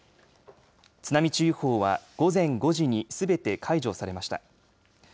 津波注意報は午前５時にすべて解除されました。